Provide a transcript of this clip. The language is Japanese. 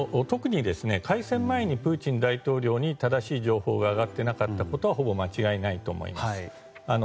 特に開戦前にプーチン大統領に正しい情報が挙がってなかったことはほぼ間違いないと思います。